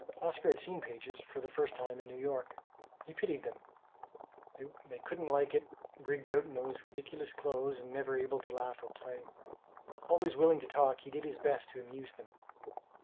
Oscar had seen pages, for the first time, in New York. He pitied them; they couldn't like it, rigged out in those ridiculous clothes and never able to laugh or play. Always willing to talk, he did his best to amuse them.